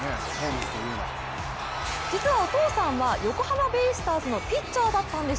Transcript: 実はお父さんは横浜ベイスターズのピッチャーだったんです。